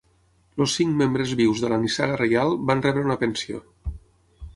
Els cinc membres vius de la nissaga reial van rebre una pensió.